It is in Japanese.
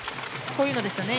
こういうのですね。